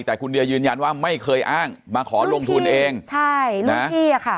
แต่คุณเดียยืนยันว่าไม่เคยอ้างมาขอลงทุนเองใช่รุ่นพี่อ่ะค่ะ